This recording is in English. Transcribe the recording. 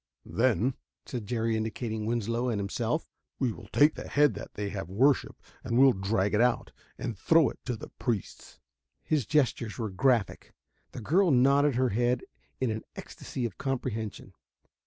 "Then," said Jerry, indicating Winslow and himself, "we will take the head that they have worshipped, and we'll drag it out and throw it to the priests." His gestures were graphic. The girl nodded her head in an ecstasy of comprehension.